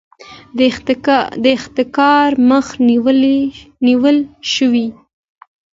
د احتکار مخه نیول شوې؟